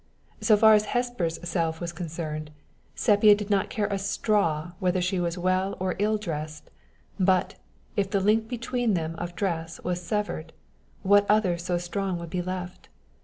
So far as Hesper's self was concerned, Sepia did not care a straw whether she was well or ill dressed; but, if the link between them of dress was severed, what other so strong would be left?